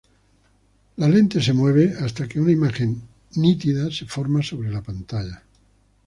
La lente es movida hasta que una imagen nítida se forma sobre la pantalla.